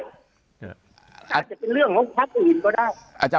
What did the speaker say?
อาจจะเป็นเรื่องของพักอื่นก็ได้